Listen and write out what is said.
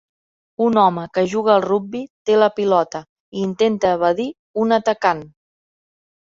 Un home que juga al rugbi té la pilota i intenta evadir un atacant.